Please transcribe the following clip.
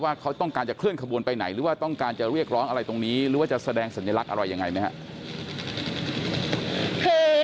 ว่าเขาต้องการจะเคลื่อนขบวนไปไหนหรือว่าต้องการจะเรียกร้องอะไรตรงนี้หรือว่าจะแสดงสัญลักษณ์อะไรยังไงไหมครับ